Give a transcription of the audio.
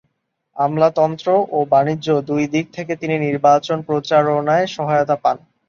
আমলাতন্ত্র ও বাণিজ্য দুই দিক থেকে তিনি নির্বাচন প্রচারণায় সহায়তা পান।